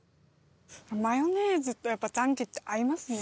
マヨネーズとやっぱザンギって合いますね。